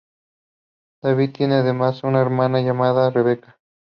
David tiene además una hermana llamada Rebecca.